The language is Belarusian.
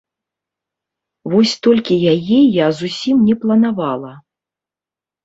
Вось толькі яе я зусім не планавала.